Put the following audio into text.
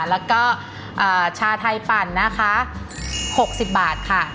แล้วก็ชาไทปั่น๖๐บาทค่ะ